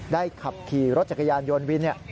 ขับขี่รถจักรยานยนต์วิน